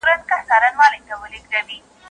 نه بوډا او نه ماشوم یې په امان کړ